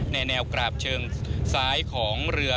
แนวกราบเชิงซ้ายของเรือ